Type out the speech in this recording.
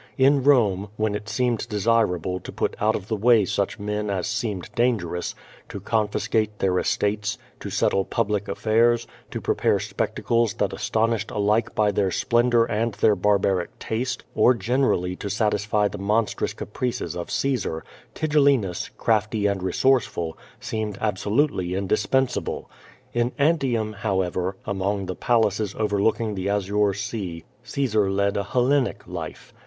In Rome, when it seemed desirable to put out of the way such men as seemed dangerous, to confiscate their estates, to settle public aftairs, to pre]>are spectacles that astonished alike by their s]>lendor and their barlmric taste, or generally to satisfy the monstrous caprices of C*aesar, Tigellinus, crafty, and resource ful, seemed absolutely indispensable. In Antium, however, among the palaces overlooking the azure sea, Caesar led a Hellenic life.